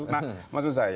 nah maksud saya